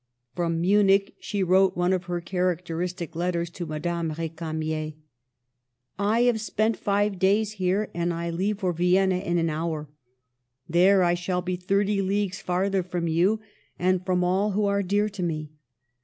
From Munich she wrote one of her characteristic letters to Madame Recamier :—" I have spent five days here, and I leave for Vienna in an hour. There I shall be thirty leagues farther from you and from all who are dear to me.